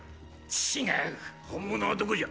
違う本物はどこじゃ？